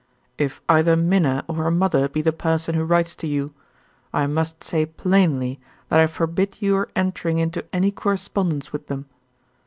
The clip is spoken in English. If either Minna or her mother be the person who writes to you, I must say plainly that I forbid your entering into any correspondence with them.